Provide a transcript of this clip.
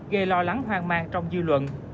gây lo lắng hoang mang trong dư luận